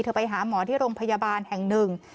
ไปหาหมอที่โรงพยาบาลแห่งหนึ่ง